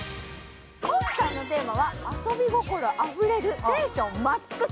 今回のテーマは遊び心あふれるテンションマックス